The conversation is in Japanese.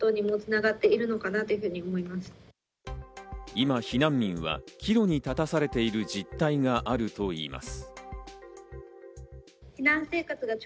今、避難民は岐路に立たされている実態があるといいます。